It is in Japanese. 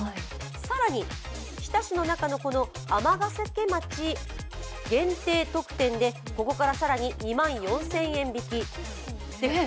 更に、日田市の中の天瀬町限定特典でここから更に２万４０００円引き。